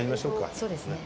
そうですね。